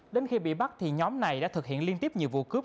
đến khi bị bắt thì nhóm này đã thực hiện liên tiếp nhiều vụ cướp